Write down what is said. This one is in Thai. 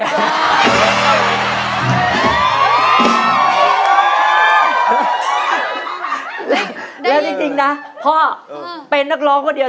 แล้วจริงนะพ่อเป็นนักร้องคนเดียว